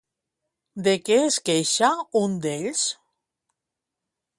De què es queixa un d'ells?